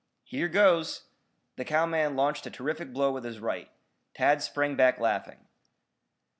"Here goes!" The cowman launched a terrific blow with his right. Tad sprang back laughing.